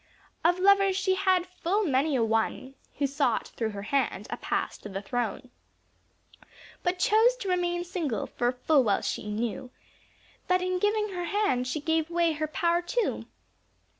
Of lovers she had full many a one, Who sought, through her hand, a pass to the throne, But chose to remain single; for full well she knew, That in giving her hand, she gave away her power too.